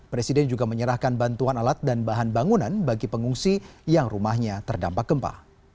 presiden juga menyerahkan bantuan alat dan bahan bangunan bagi pengungsi yang rumahnya terdampak gempa